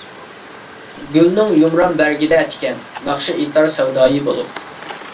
گۈلنىڭ يۇمران بەرگىدە تىكەن، ناخشا ئېيتار سەۋدايى بولۇپ.